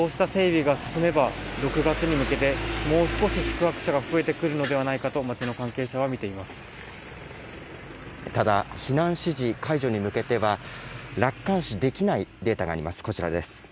そうした整備が進めば、６月に向けて、もう少し宿泊者が増えてくるのではないかと、町の関係者はただ、避難指示解除に向けては、楽観視できないデータがあります。